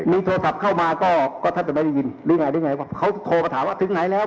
มีโทรศัพท์เข้ามาก็แทบจะไม่ได้ยินหรือไงรู้ไงว่าเขาโทรมาถามว่าถึงไหนแล้ว